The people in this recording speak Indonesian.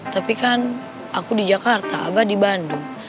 tapi kan aku di jakarta abah di bandung